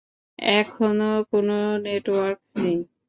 এখনও কোনো নেটওয়ার্ক নেই।